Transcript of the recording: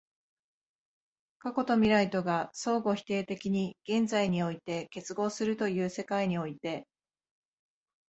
過去と未来とが相互否定的に現在において結合するという世界において、